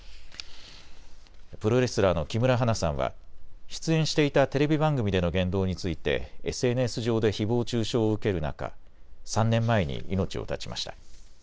プロレスラーの木村花さんは出演していたテレビ番組での言動についてＳＮＳ上でひぼう中傷を受ける中、３年前に命を絶ちました。